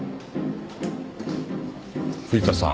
藤田さん。